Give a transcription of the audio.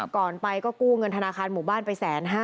ก่อนไปก็กู้เงินธนาคารหมู่บ้านไป๑๕๐๐